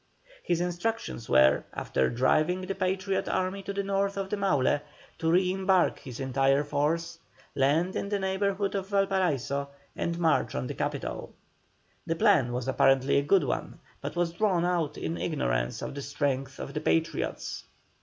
His instructions were, after driving the Patriot army to the north of the Maule, to re embark his entire force, land in the neighbourhood of Valparaiso, and march on the capital. The plan was apparently a good one, but was drawn out in ignorance of the strength of the Patriots.